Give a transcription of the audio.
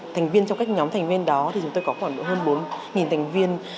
thành viên trong các cái nhóm thành viên đó thì chúng tôi có khoảng hơn bốn thành viên